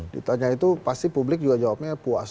ditanya itu pasti publik juga jawabnya puas